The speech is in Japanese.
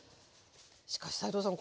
しかし斉藤さん